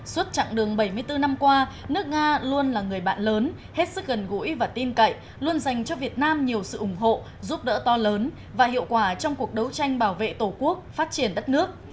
suốt chặng đường bảy mươi bốn năm qua nước nga luôn là người bạn lớn hết sức gần gũi và tin cậy luôn dành cho việt nam nhiều sự ủng hộ giúp đỡ to lớn và hiệu quả trong cuộc đấu tranh bảo vệ tổ quốc phát triển đất nước